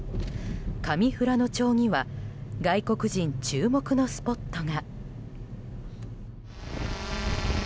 上富良野町には外国人注目のスポットが。